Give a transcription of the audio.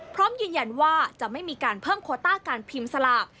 พร้อมยืนยันว่าจะไม่มีการเพิ่มโคต้าการพิมพ์สลาก